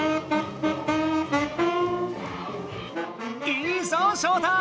いいぞショウタ！